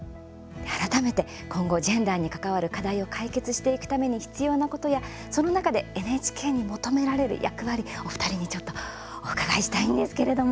改めて、今後ジェンダーに関わる課題を解決していくために必要なことやその中でＮＨＫに求められる役割お二人に、ちょっとお伺いしたいんですけれども。